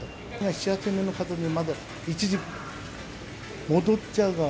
７、８年前の形にまた一時、戻っちゃうから。